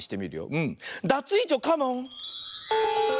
うん。ダツイージョカモン！